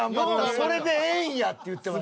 それでええんや」って言ってます。